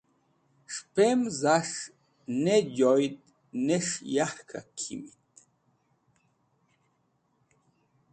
S̃hẽpem zas̃h ne joyd nes̃h yark k̃hak kimit.